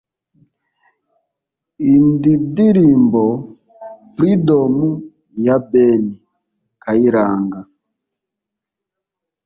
Inddirimbo Freedom ya Ben Kayiranga